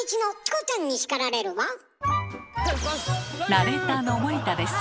ナレーターの森田です。